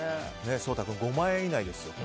颯太君、５万円以内ですよ。